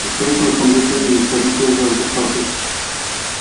The space was completed in the second phase of the process.